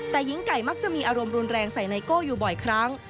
แต่หญิงไก่มักจะมีอารมณ์รุนแรงใส่ไนโก้อยู่บ่อยครั้ง